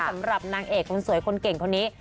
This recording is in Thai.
สำหรับนางเอกคนสวยคนเก่งคนนี้